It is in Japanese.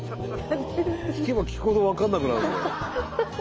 聞けば聞くほど分かんなくなるんだよ。